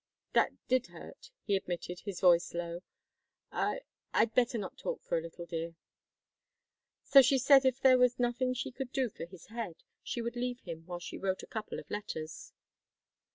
"That did hurt," he admitted, his voice low. "I I'd better not talk for a little, dear." So she said if there was nothing she could do for his head, she would leave him while she wrote a couple of letters.